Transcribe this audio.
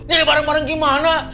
cari bareng bareng gimana